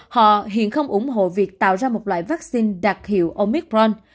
họ hiện không ủng hộ việc tạo ra một loại vaccine đặc hiệu omicron